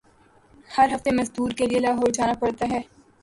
ہر ہفتے مزدوری کیلئے لاہور جانا پڑتا ہے۔